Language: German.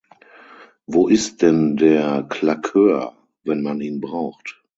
Wo ist denn der "Claqueur" wenn man ihn braucht?